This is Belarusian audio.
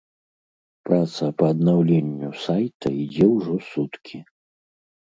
Праца па аднаўленню сайта ідзе ўжо суткі.